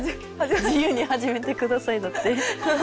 「自由に始めてください」だって。